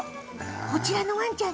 こちらのワンちゃん